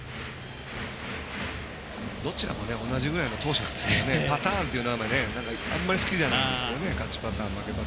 どちらも同じような投手なんですがパターンというのはあんまり好きじゃないんですけど。